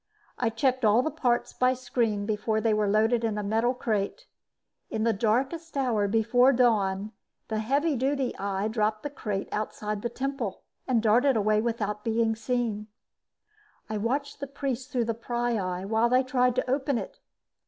I checked all the parts by screen before they were loaded in a metal crate. In the darkest hour before dawn, the heavy duty eye dropped the crate outside the temple and darted away without being seen. I watched the priests through the pryeye while they tried to open it.